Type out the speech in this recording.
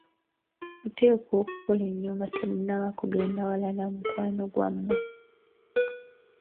Oteekwa okukola ennyo nga temunnaba kugenda wala na mukwano gwammwe.